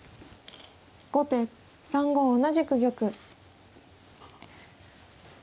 後手３五同じく玉。